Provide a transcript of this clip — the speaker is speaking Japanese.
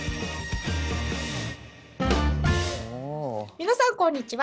皆さんこんにちは。